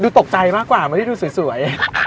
ตกใจมากกว่าไม่ได้ดูสวย